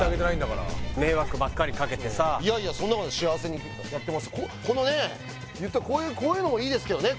何かいやいやそんなことない幸せにやってますよこういうのもいいですけどね